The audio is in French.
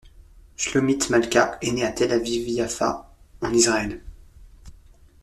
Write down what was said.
Shlomit Malka est née à Tel-Aviv Yaffa, en Israël.